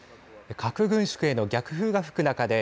核軍縮への逆風が吹く中で